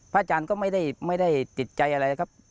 อาจารย์ก็ไม่ได้ติดใจอะไรครับ